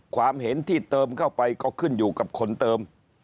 ความเห็นที่เติมเข้าไปก็ขึ้นอยู่กับคนเติม